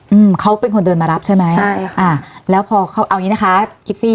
อืมเขาเป็นคนเดินมารับใช่ไหมใช่ค่ะอ่าแล้วพอเขาเอาอย่างงี้นะคะกิฟซี่